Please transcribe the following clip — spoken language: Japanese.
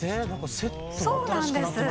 そうなんです。